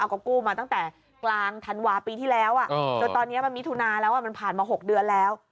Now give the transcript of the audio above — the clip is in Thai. ก็กู้มาตั้งแต่กลางธันวาปีที่แล้วจนตอนนี้มันมิถุนาแล้วมันผ่านมา๖เดือนแล้ว